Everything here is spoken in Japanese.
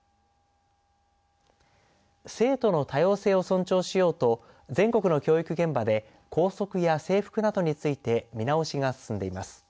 生徒の多様性を尊重しようと全国の教育現場で校則や制服などについて見直しが進んでいます。